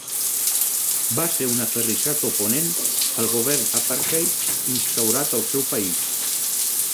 Va ser un aferrissat oponent al govern apartheid instaurat al seu país.